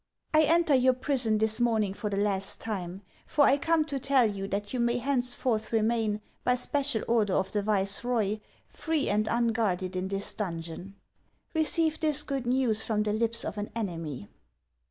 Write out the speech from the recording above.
I enter your prison this morning for the last time, for I come to tell you that you may henceforth remain, by special order of the viceroy, free and unguarded in this donjon. Receive this good news from the lips of an enemy."